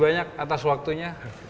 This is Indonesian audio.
banyak atas waktunya